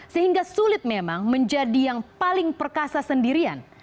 sehingga sulit memang menjadi yang paling perkasa sendirian